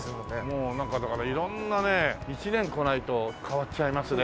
もうだから色んなね１年来ないと変わっちゃいますね。